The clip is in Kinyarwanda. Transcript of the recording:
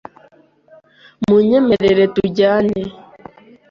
Munyemerere tujyane .